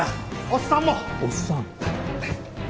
おっさん。